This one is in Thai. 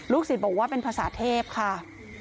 ศิษย์บอกว่าเป็นภาษาเทพค่ะ